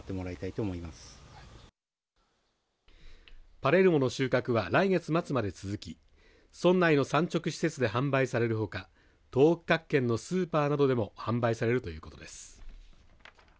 パレルモの収穫は来月末まで続き村内の産直施設で発売されるほか東北各県のスーパーなどでも販売されるということです。